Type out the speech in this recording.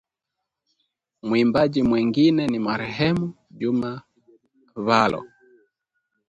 Mwimbaji mwengine ni marehemu Juma Bhalo